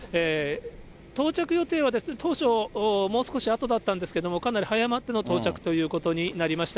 到着予定は、当初、もう少しあとだったんですけど、かなり早まっての到着ということになりました。